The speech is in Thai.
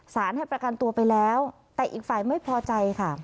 ให้ประกันตัวไปแล้วแต่อีกฝ่ายไม่พอใจค่ะ